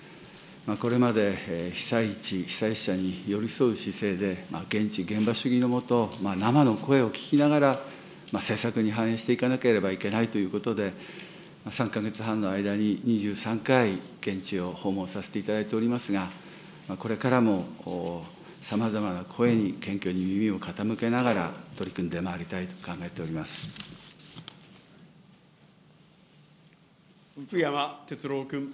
これまで被災地、被災者に寄り添う姿勢で、現地、現場主義の下、生の声を聞きながら、政策に反映していかなければいけないということで、３か月半の間に２３回、現地を訪問させていただいておりますが、これからもさまざまな声に謙虚に耳を傾けながら、取り組んでまい福山哲郎君。